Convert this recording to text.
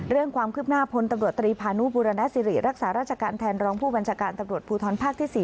เรื่องความคืบหน้าพลตำรวจตรีพานุบุรณสิริรักษาราชการแทนรองผู้บัญชาการตำรวจภูทรภาคที่๔